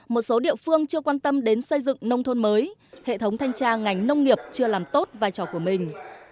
một số địa phương chưa quan tâm đến xây dựng nông thôn mới hệ thống thanh tra ngành nông nghiệp chưa làm tốt vai trò của mình